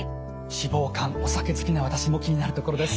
脂肪肝お酒好きな私も気になるところです。